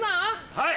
はい！